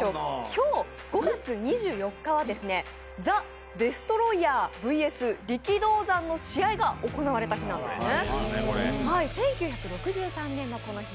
今日、５月２４日はザ・デスロイヤーＶＳ力道山の試合が行われた日なんですね。